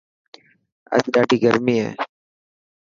اڄ ڏاڌي گرمي هي.